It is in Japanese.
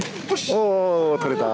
おー、取れた。